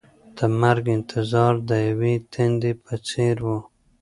د مرګ انتظار د یوې تندې په څېر و.